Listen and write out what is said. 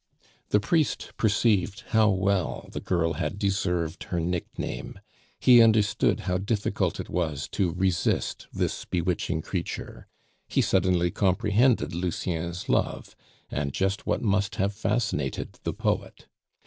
The priest perceived how well the girl had deserved her nickname; he understood how difficult it was to resist this bewitching creature; he suddenly comprehended Lucien's love, and just what must have fascinated the poet.